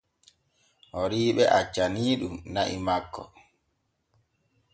Horiiɓe accaniiɗun na'i makko.